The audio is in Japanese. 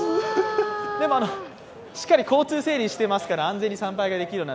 でも、しっかり交通整理していますから安全に参拝ができるような